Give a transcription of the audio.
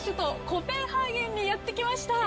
コペンハーゲンにやってきました。